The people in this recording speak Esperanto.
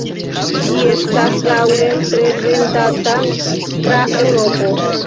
Ĝi estas daŭre prezentata tra Eŭropo.